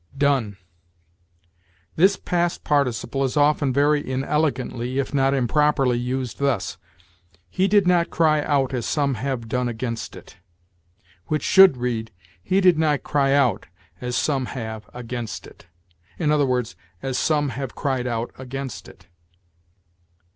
DONE. This past participle is often very inelegantly, if not improperly, used thus: "He did not cry out as some have done against it," which should read, "He did not cry out as some have against it"; i. e., "as some have cried out against it."